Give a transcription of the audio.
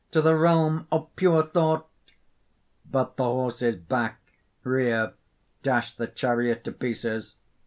to the realm of pure thought!" (_But the horses back, rear, dash the chariot to pieces.